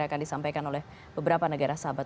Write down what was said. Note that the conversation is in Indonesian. akan disampaikan oleh beberapa negara sahabat